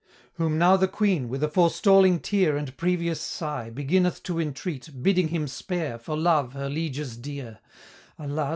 Whom now the Queen, with a forestalling tear And previous sigh, beginneth to entreat, Bidding him spare, for love, her lieges dear: "Alas!"